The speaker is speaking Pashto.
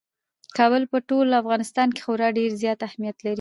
کابل په ټول افغانستان کې خورا ډېر زیات اهمیت لري.